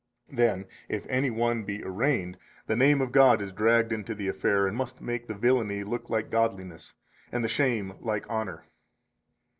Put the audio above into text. Then, if any one be arraigned, the name of God is dragged into the affair and must make the villainy look like godliness, and the shame like honor.